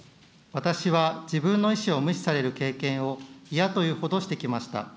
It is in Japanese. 私は自分の意思を無視される経験を、いやというほどしてきました。